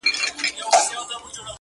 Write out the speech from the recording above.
• لا تیاري دي مړې ډېوې نه دي روښانه,